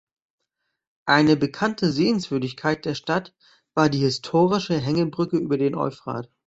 Eine bekannte Sehenswürdigkeit der Stadt war die historische Hängebrücke über den Euphrat.